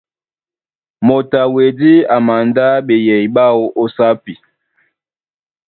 Moto a wedí a mandá ɓeyɛy ɓáō ó sápi.